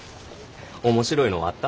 面白いのはあった？